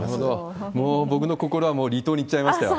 もう僕の心はもう離島に行っちゃいましたよ。